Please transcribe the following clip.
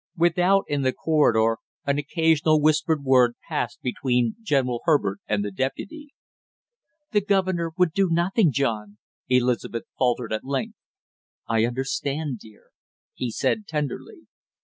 Without, in the corridor, an occasional whispered word passed between General Herbert and the deputy. "The governor would do nothing, John," Elizabeth faltered at length. "I understand, dear," he said tenderly.